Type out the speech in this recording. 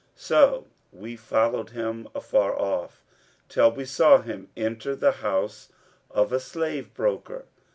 So we followed him afar off, till we saw him enter the house of a slave broker.